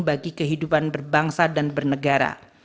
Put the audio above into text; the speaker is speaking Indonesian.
bagi kehidupan berbangsa dan bernegara